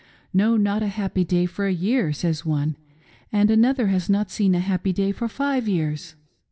' No, not a happy day for a year, says one ; and another has not seen a happy day for five years.